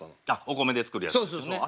お米で作るやつですよね。